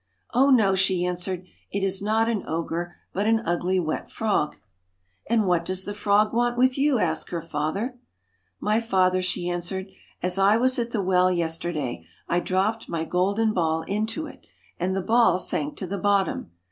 * Oh, no !' she answered ;' it is not an ogre, but an ugly wet frog.' 4 And what does the frog want with you ?' asked her father. * My father,' she answered, * as I was at the well yesterday, I dropped my golden ball into it, and the ball sank to the bottom.